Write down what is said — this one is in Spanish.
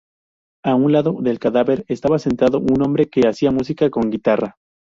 A un lado del cadáver estaba sentado un hombre que hacía música con guitarra.